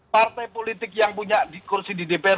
partai politik yang punya kursi di dpr